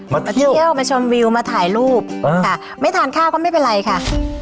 มาเที่ยวมาชมวิวมาถ่ายรูปค่ะไม่ทานข้าวก็ไม่เป็นไรค่ะ